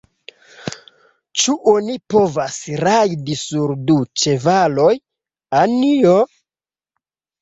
Ĉu oni povas rajdi sur du ĉevaloj, Anjo?